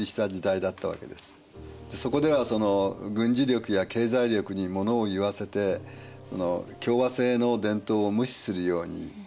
そこではその軍事力や経済力にものをいわせて共和政の伝統を無視するようになってしまうと。